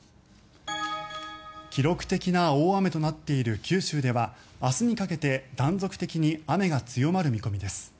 記録的な大雨となっている九州では明日にかけて断続的に雨が強まる見込みです。